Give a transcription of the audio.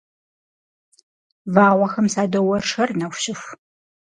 Вагъуэхэм садоуэршэр нэху щыху.